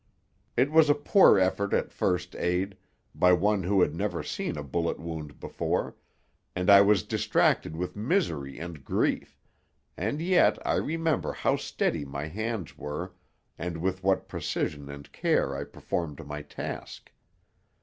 It was a poor effort at first aid, by one who had never seen a bullet wound before, and I was distracted with misery and grief, and yet I remember how steady my hands were and with what precision and care I performed my task.